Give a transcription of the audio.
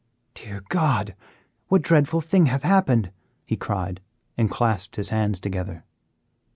"Dear God! what dreadful thing hath happened?" he cried and clasped his hands together.